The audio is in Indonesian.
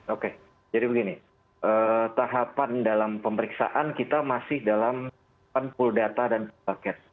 oke jadi begini tahapan dalam pemeriksaan kita masih dalam full data dan bucket